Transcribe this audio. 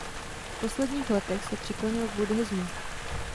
V posledních letech se přiklonil k buddhismu.